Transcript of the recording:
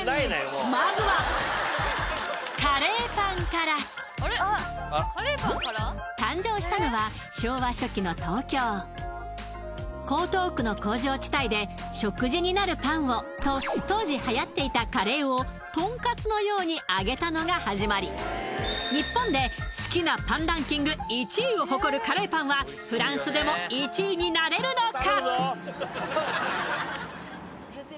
まずはカレーパンから誕生したのは昭和初期の東京江東区の工場地帯で食事になるパンをと当時はやっていたカレーをとんかつのように揚げたのが始まり日本で好きなパンランキング１位を誇るカレーパンはフランスでも１位になれるのか？